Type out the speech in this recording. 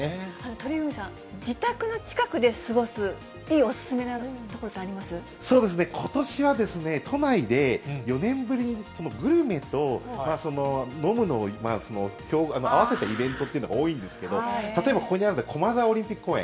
鳥海さん、自宅の近くで過ごす、そうですね、ことしは都内で、４年ぶりにグルメと飲むのを合わせたイベントというのが多いんですけど、例えば、ここにある、駒沢オリンピック公園。